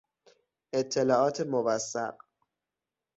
اطلاعات موثق